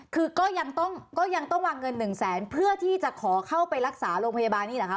คือก็ยังต้องวางเงินหนึ่งแสนเพื่อที่จะขอเข้าไปรักษาโรงพยาบาลนี้หรอครับ